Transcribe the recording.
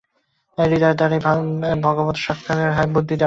হৃদয়ের দ্বারাই ভগবৎসাক্ষাৎকার হয়, বুদ্ধি দ্বারা নয়।